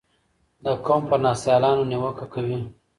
د قوم پر ناسیالانو نیوکه کوي